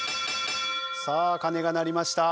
さあ鐘が鳴りました。